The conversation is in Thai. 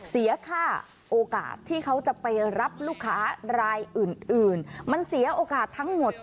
เสียค่าโอกาสที่เขาจะไปรับลูกค้ารายอื่นมันเสียโอกาสทั้งหมด